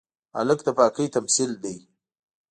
هلک د پاکۍ تمثیل دی.